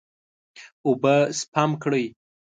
اوبه سپم کړئ.